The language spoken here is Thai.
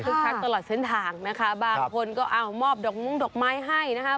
ชักตลอดเส้นทางนะคะบางคนก็เอามอบดอกมุ้งดอกไม้ให้นะคะ